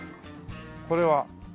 これは。